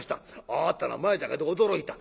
あなたの前だけど驚いた。